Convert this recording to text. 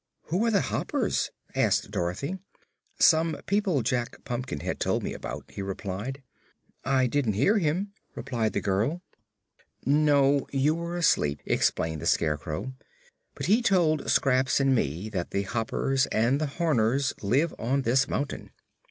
"Who are the Hoppers?" asked Dorothy. "Some people Jack Pumpkinhead told me about," he replied. "I didn't hear him," replied the girl. "No; you were asleep," explained the Scarecrow. "But he told Scraps and me that the Hoppers and the Horners live on this mountain."